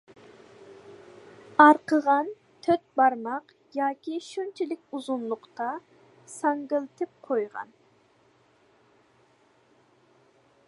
ئارقىغا تۆت بارماق ياكى شۇنچىلىك ئۇزۇنلۇقتا ساڭگىلىتىپ قويغان.